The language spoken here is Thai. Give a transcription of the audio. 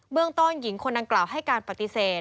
เรื่องต้นหญิงคนดังกล่าวให้การปฏิเสธ